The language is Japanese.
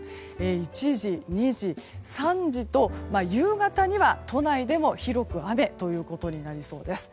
１時、２時、３時と夕方には、都内でも広く雨となりそうです。